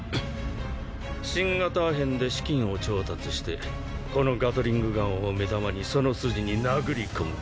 新型アヘンで資金を調達してこのガトリングガンを目玉にその筋に殴り込む。